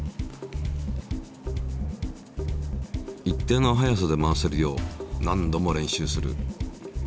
一定の速さで回せるよう何度も練習する。